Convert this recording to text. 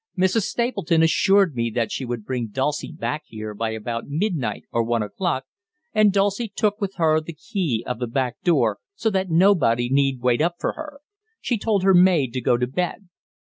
Mrs. Stapleton assured me that she would bring Dulcie back here by about midnight or one o'clock, and Dulcie took with her the key of the back door, so that nobody need wait up for her she told her maid to go to bed.